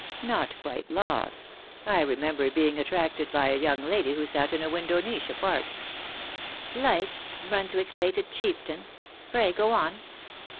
"Not quite lost. I remember being attracted by a young lady who sat in a window niche apart "" Like ' Brunswick's fated chieftain.' Pray go on."